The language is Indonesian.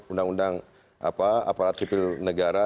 undang undang aparat sipil negara